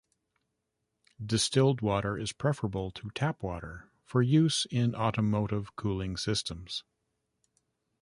Distilled water is preferable to tap water for use in automotive cooling systems.